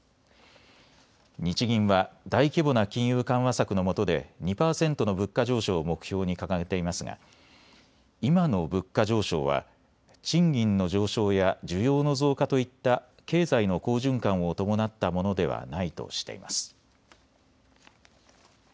日銀は大規模な金融緩和策のもとで２％の物価上昇を目標に掲げていますが今の物価上昇は賃金の上昇や需要の増加といった経済の好循環を伴ったものではないとしています。